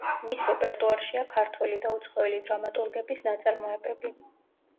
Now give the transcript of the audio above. მის რეპერტუარშია ქართველი და უცხოელი დრამატურგების ნაწარმოებები.